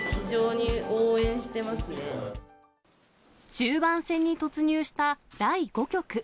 終盤戦に突入した第５局。